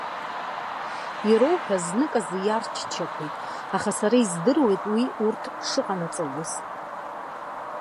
Ироуҳәоз знык азы иарччақәеит, аха сара издыруеит уи урҭ шыҟанаҵалоз.